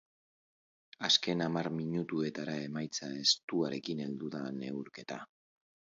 Azken hamar minutuetara emaitza estuarekin heldu da neurketa.